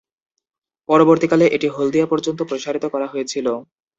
পরবর্তীকালে এটি হলদিয়া পর্যন্ত প্রসারিত করা হয়েছিল।